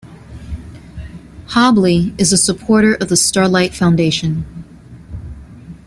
Hobley is a supporter of the Starlight Foundation.